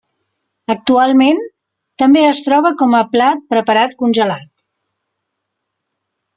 Actualment també es troba com a plat preparat congelat.